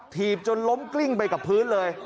ีบจนล้มกลิ้งไปกับพื้นเลย